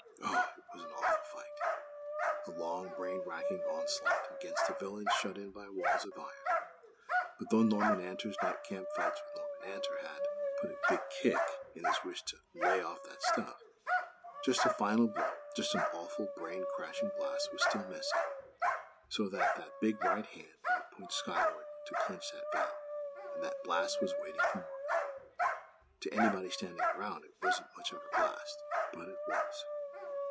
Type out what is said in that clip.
Oh! It was an awful fight! A long, brain racking onslaught against a villain shut in by walls of iron! But though Norman Antor's night camp fights with Norman Antor had "put a big kick" in his wish to "lay off that stuff," just a final blow, just an awful brain crashing blast was still missing, so that that big right hand might point skyward, to clinch that vow. And that blast was waiting for Norman! To anybody standing around, it wasn't much of a blast; but it _was!